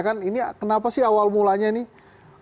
kenapa sih awal mulanya nih